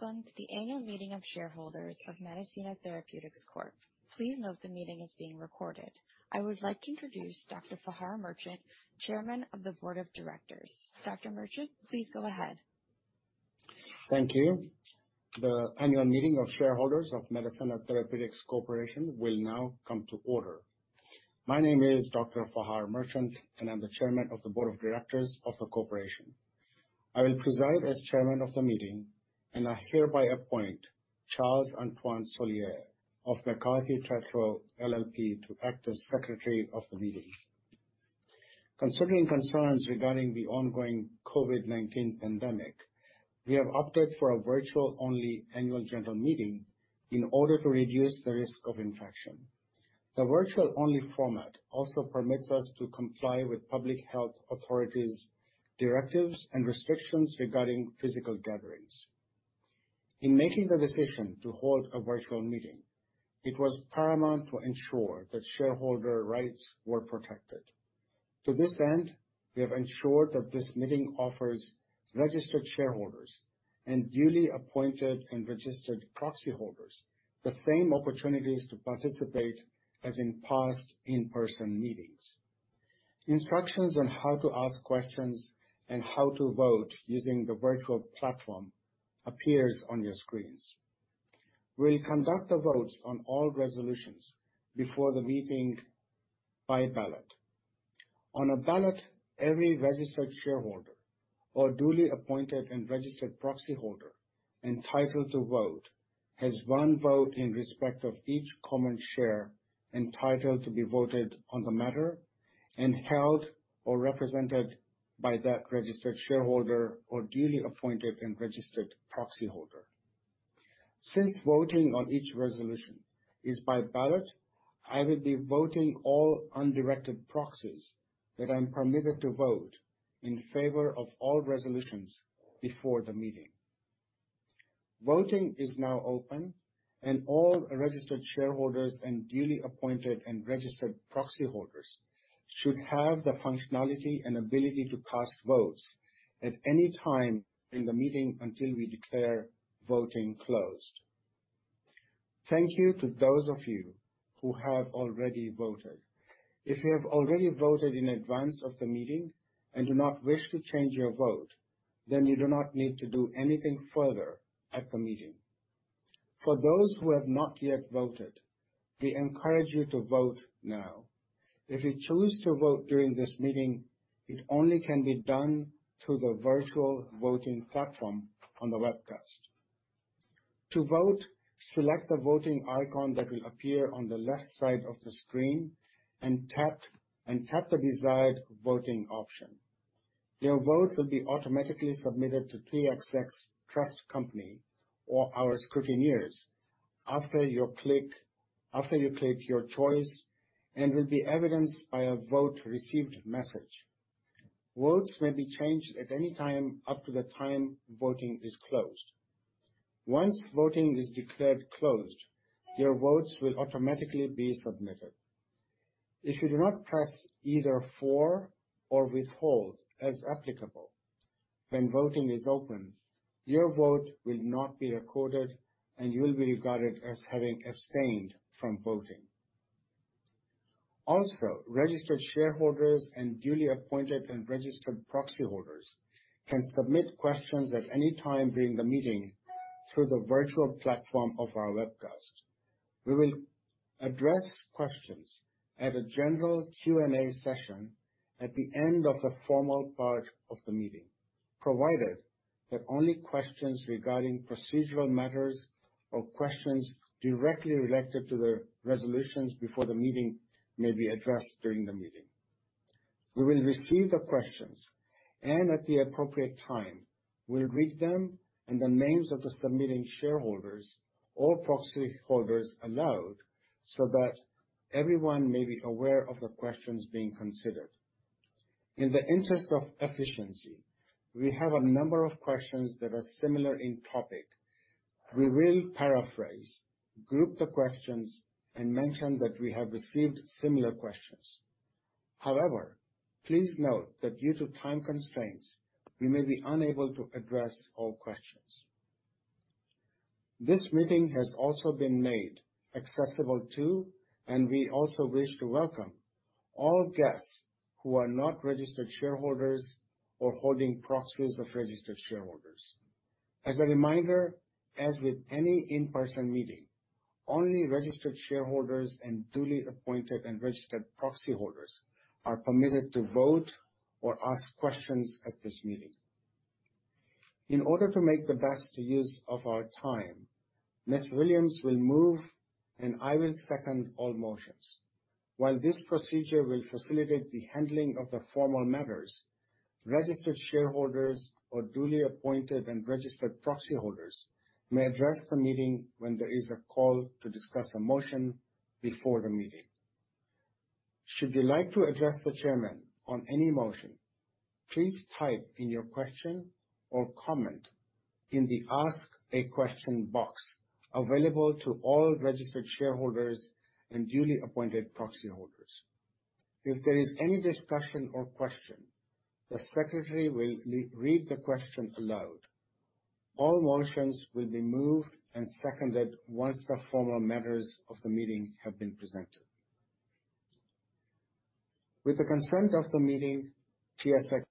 Welcome to the annual meeting of shareholders of Medicenna Therapeutics Corp. Please note the meeting is being recorded. I would like to introduce Dr. Fahar Merchant, Chairman of the Board of Directors. Dr. Merchant, please go ahead. Thank you. The annual meeting of shareholders of Medicenna Therapeutics Corporation will now come to order. My name is Dr. Fahar Merchant, and I'm the chairman of the board of directors of the corporation. I will preside as chairman of the meeting. I hereby appoint Charles-Antoine Soulière of McCarthy Tétrault LLP to act as secretary of the meeting. Concerning concerns regarding the ongoing COVID-19 pandemic, we have opted for a virtual-only annual general meeting in order to reduce the risk of infection. The virtual-only format also permits us to comply with public health authorities' directives and restrictions regarding physical gatherings. In making the decision to hold a virtual meeting, it was paramount to ensure that shareholder rights were protected. To this end, we have ensured that this meeting offers registered shareholders and duly appointed and registered proxy holders the same opportunities to participate as in past in-person meetings. Instructions on how to ask questions and how to vote using the virtual platform appears on your screens. We'll conduct the votes on all resolutions before the meeting by ballot. On a ballot, every registered shareholder or duly appointed and registered proxy holder entitled to vote has one vote in respect of each common share entitled to be voted on the matter and held or represented by that registered shareholder or duly appointed and registered proxy holder. Since voting on each resolution is by ballot, I will be voting all undirected proxies that I'm permitted to vote in favor of all resolutions before the meeting. Voting is now open, and all registered shareholders and duly appointed and registered proxy holders should have the functionality and ability to cast votes at any time in the meeting until we declare voting closed. Thank you to those of you who have already voted. If you have already voted in advance of the meeting and do not wish to change your vote, then you do not need to do anything further at the meeting. For those who have not yet voted, we encourage you to vote now. If you choose to vote during this meeting, it only can be done through the virtual voting platform on the webcast. To vote, select the voting icon that will appear on the left side of the screen and tap the desired voting option. Your vote will be automatically submitted to TSX Trust Company or our scrutineers after you click your choice and will be evidenced by a vote received message. Votes may be changed at any time up to the time voting is closed. Once voting is declared closed, your votes will automatically be submitted. If you do not press either "for" or "withhold" as applicable, when voting is open, your vote will not be recorded, and you will be regarded as having abstained from voting. Registered shareholders and duly appointed and registered proxy holders can submit questions at any time during the meeting through the virtual platform of our webcast. We will address questions at a general Q&A session at the end of the formal part of the meeting, provided that only questions regarding procedural matters or questions directly related to the resolutions before the meeting may be addressed during the meeting. We will receive the questions, and at the appropriate time, we'll read them and the names of the submitting shareholders or proxy holders aloud so that everyone may be aware of the questions being considered. In the interest of efficiency, we have a number of questions that are similar in topic. We will paraphrase, group the questions, and mention that we have received similar questions. However, please note that due to time constraints, we may be unable to address all questions. This meeting has also been made accessible to, and we also wish to welcome all guests who are not registered shareholders or holding proxies of registered shareholders. As a reminder, as with any in-person meeting, only registered shareholders and duly appointed and registered proxy holders are permitted to vote or ask questions at this meeting. In order to make the best use of our time, Ms. Williams will move, and I will second all motions. While this procedure will facilitate the handling of the formal matters, registered shareholders or duly appointed and registered proxy holders may address the meeting when there is a call to discuss a motion before the meeting. Should you like to address the chairman on any motion, please type in your question or comment in the Ask a Question box available to all registered shareholders and duly appointed proxy holders. If there is any discussion or question, the secretary will read the question aloud. All motions will be moved and seconded once the formal matters of the meeting have been presented. With the consent of the meeting, TSX Trust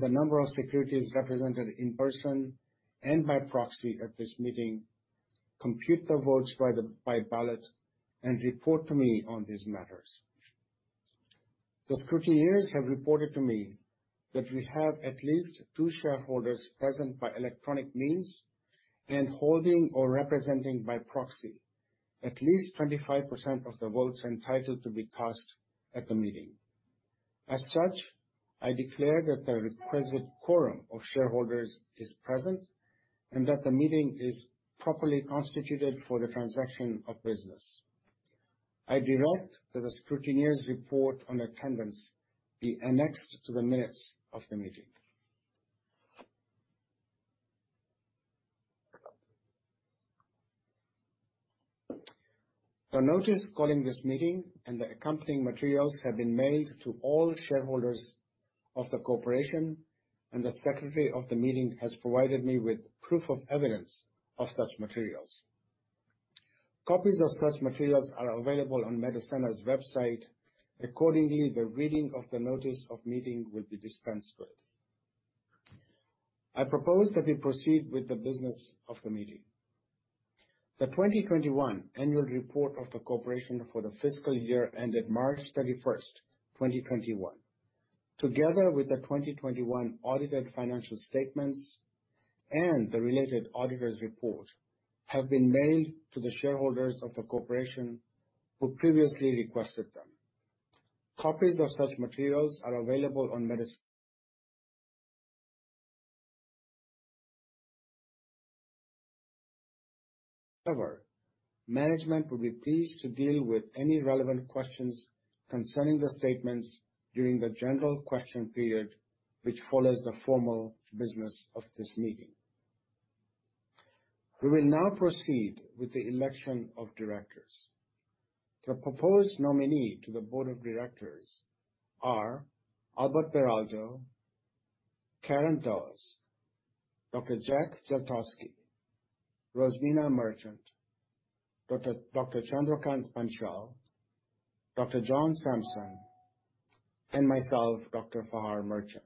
the number of securities represented in person and by proxy at this meeting compute the votes by ballot and report to me on these matters. The scrutineers have reported to me that we have at least two shareholders present by electronic means and holding or representing by proxy at least 25% of the votes entitled to be cast at the meeting. As such, I declare that the requisite quorum of shareholders is present and that the meeting is properly constituted for the transaction of business. I direct that the scrutineers' report on attendance be annexed to the minutes of the meeting. The notice calling this meeting and the accompanying materials have been mailed to all shareholders of the corporation, and the secretary of the meeting has provided me with proof of evidence of such materials. Copies of such materials are available on Medicenna's website. Accordingly, the reading of the notice of meeting will be dispensed with. I propose that we proceed with the business of the meeting. The 2021 annual report of the corporation for the fiscal year ended March 31st, 2021, together with the 2021 audited financial statements and the related auditor's report, have been mailed to the shareholders of the corporation who previously requested them. Copies of such materials are available on Medicenna, management would be pleased to deal with any relevant questions concerning the statements during the general question period, which follows the formal business of this meeting. We will now proceed with the election of directors. The proposed nominee to the board of directors are Albert Beraldo, Karen Dawes, Dr. Jack Geltosky, Rosemina Merchant, Dr. Chandrakant Panchal, Dr. John Sampson, and myself, Dr. Fahar Merchant.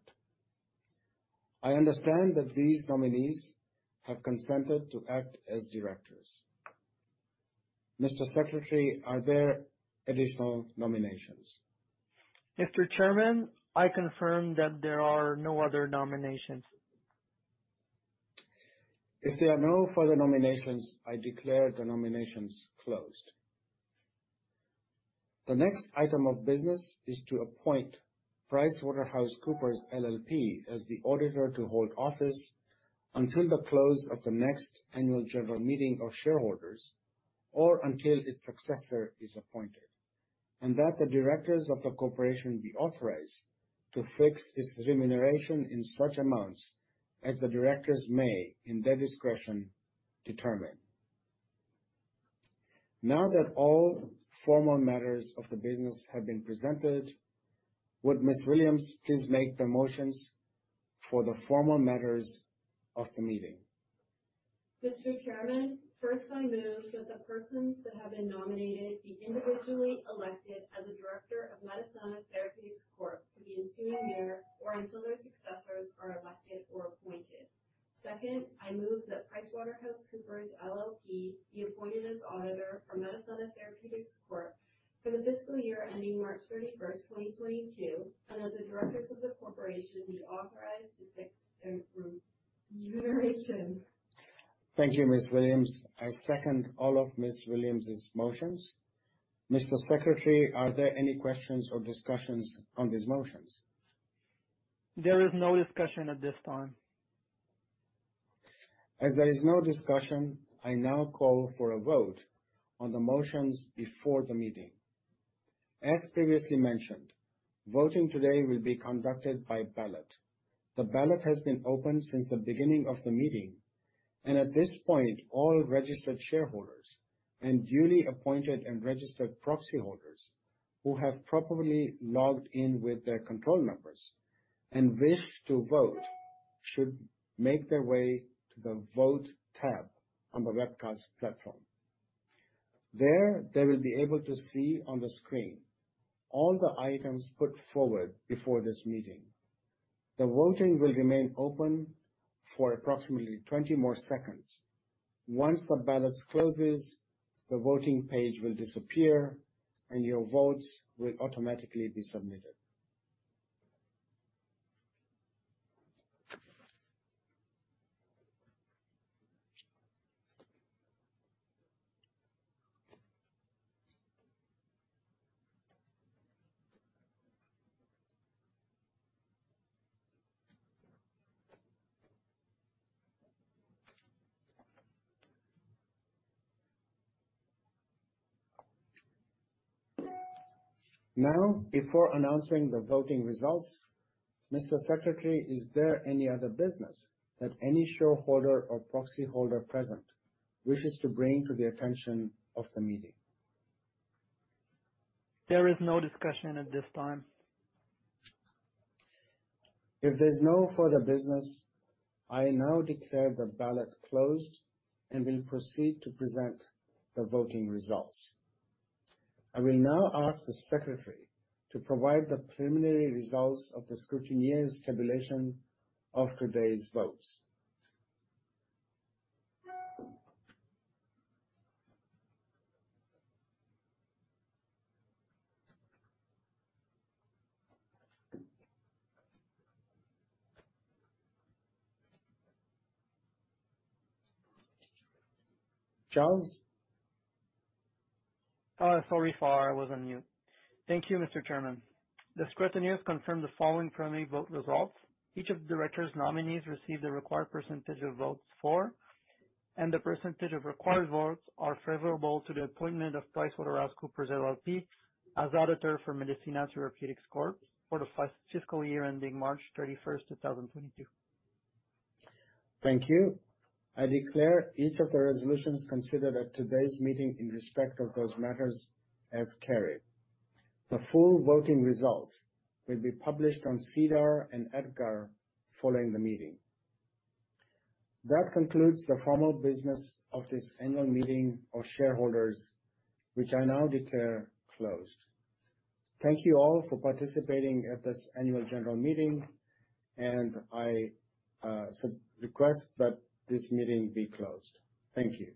I understand that these nominees have consented to act as directors. Mr. Secretary, are there additional nominations? Mr. Chairman, I confirm that there are no other nominations. If there are no further nominations, I declare the nominations closed. The next item of business is to appoint PricewaterhouseCoopers LLP as the auditor to hold office until the close of the next annual general meeting of shareholders or until its successor is appointed, and that the directors of the corporation be authorized to fix its remuneration in such amounts as the directors may, in their discretion, determine. Now that all formal matters of the business have been presented, would Ms. Williams please make the motions for the formal matters of the meeting. Mr. Chairman, First, I move that the persons that have been nominated be individually elected as a Director of Medicenna Therapeutics Corp for the ensuing year or until their successors are elected or appointed. Second, I move that PricewaterhouseCoopers LLP be appointed as auditor for Medicenna Therapeutics Corp for the fiscal year ending March 31st, 2022, and that the Directors of the corporation be authorized to fix their remuneration. Thank you, Ms. Williams. I second all of Ms. Williams' motions. Mr. Secretary, are there any questions or discussions on these motions? There is no discussion at this time. As there is no discussion, I now call for a vote on the motions before the meeting. As previously mentioned, voting today will be conducted by ballot. The ballot has been open since the beginning of the meeting, and at this point, all registered shareholders and duly appointed and registered proxy holders who have properly logged in with their control numbers and wish to vote should make their way to the Vote tab on the webcast platform. There, they will be able to see on the screen all the items put forward before this meeting. The voting will remain open for approximately 20 more seconds. Once the ballot closes, the voting page will disappear, and your votes will automatically be submitted. Now, before announcing the voting results, Mr. Secretary, is there any other business that any shareholder or proxy holder present wishes to bring to the attention of the meeting? There is no discussion at this time. If there's no further business, I now declare the ballot closed and will proceed to present the voting results. I will now ask the secretary to provide the preliminary results of the scrutineers' tabulation of today's votes. Charles? Sorry, Fahar, I was on mute. Thank you, Mr. Chairman. The scrutineers confirmed the following preliminary vote results. Each of the director's nominees received the required percentage of votes for, and the percentage of required votes are favorable to the appointment of PricewaterhouseCoopers LLP as auditor for Medicenna Therapeutics Corp for the fiscal year ending March 31st, 2022. Thank you. I declare each of the resolutions considered at today's meeting in respect of those matters as carried. The full voting results will be published on SEDAR and EDGAR following the meeting. That concludes the formal business of this annual meeting of shareholders, which I now declare closed. Thank you all for participating at this annual general meeting, and I request that this meeting be closed. Thank you.